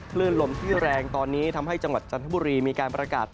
คลื่นลมที่แรงตอนนี้ทำให้จังหวัดจันทบุรีมีการประกาศ